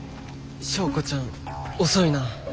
昭子ちゃん遅いな。